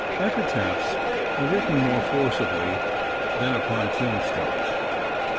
Epitaphs are written more forcibly than upon tombstones.